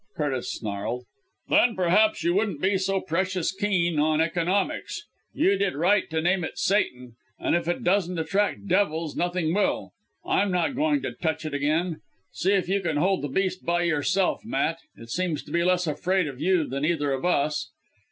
Curtis snarled; "then, perhaps, you wouldn't be so precious keen on economics. You did right to name it Satan! and if it doesn't attract devils nothing will. I'm not going to touch it again. See if you can hold the beast by yourself, Matt! It seems to be less afraid of you than of either of us."